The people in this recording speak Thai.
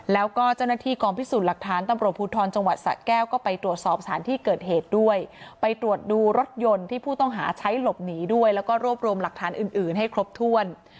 แล้วก็เจ้าหน้าที่กองพิสูจน์หลักฐานตำรวจภูทรจังหวัดสะแก้ว